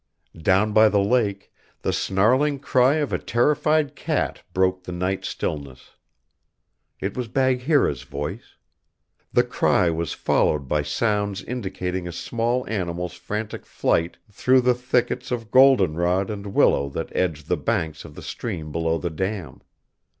Down by the lake, the snarling cry of a terrified cat broke the night stillness. It was Bagheera's voice. The cry was followed by sounds indicating a small animal's frantic flight through the thickets of goldenrod and willow that edged the banks of the stream below the dam.